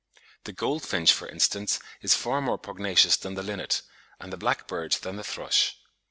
The goldfinch, for instance, is far more pugnacious than the linnet, and the blackbird than the thrush.